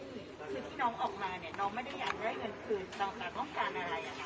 คือที่น้องออกมาเนี่ยน้องไม่ได้อยากได้เงินคืนต้องการเงินคืนอะไรอะคะ